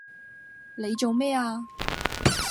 你做咩呀？